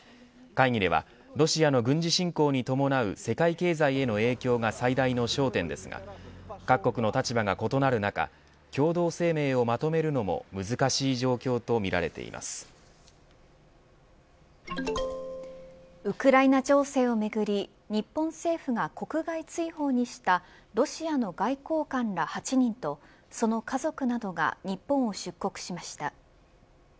会議ではロシアの軍事侵攻に伴う世界経済への影響が最大の焦点ですが各国の立場が異なる中共同声明をまとめるのもウクライナ情勢をめぐり日本政府が国外追放にしたロシアの外交官ら８人とその家族などが日本を出国しました。